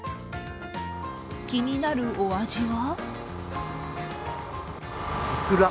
気になるお味は？